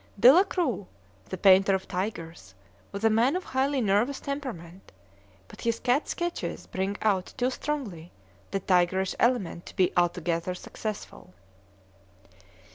Delacroix, the painter of tigers, was a man of highly nervous temperament, but his cat sketches bring out too strongly the tigerish element to be altogether successful.